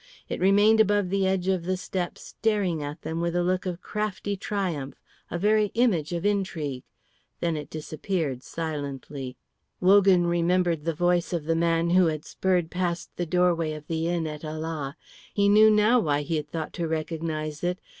It remained above the edge of the step staring at them with a look of crafty triumph, a very image of intrigue. Then it disappeared silently. Wogan remembered the voice of the man who had spurred past the doorway of the inn at Ala. He knew now why he had thought to recognise it.